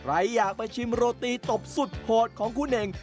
ใครอยากไปชิมโรตีตบสุดโหดของคุณเน่ง